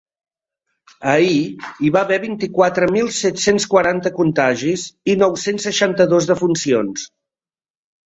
Ahir, hi va haver vint-i-quatre mil set-cents quaranta contagis i nou-cents seixanta-dos defuncions.